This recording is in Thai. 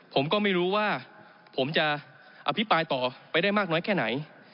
ผมก็ไม่รู้ว่าผมจะอภิปรายต่อไปได้มากน้อยแค่ไหน